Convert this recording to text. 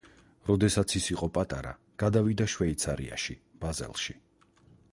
როდესაც ის იყო პატარა, გადავიდა შვეიცარიაში, ბაზელში.